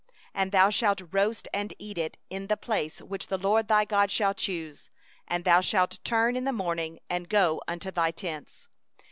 7And thou shalt roast and eat it in the place which the LORD thy God shall choose; and thou shalt turn in the morning, and go unto thy tents.